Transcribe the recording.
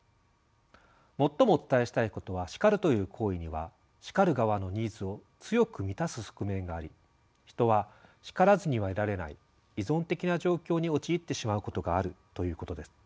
最もお伝えしたいことは「叱る」という行為には叱る側のニーズを強く満たす側面があり人は叱らずにはいられない依存的な状況に陥ってしまうことがあるということです。